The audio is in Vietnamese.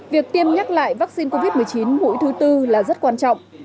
việc tiêm nhắc lại vaccine covid một mươi chín mũi thứ tư là rất quan trọng